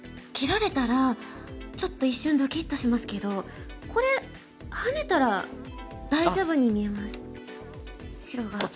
切られたらちょっと一瞬ドキッとしますけどこれハネたら大丈夫に見えます白が。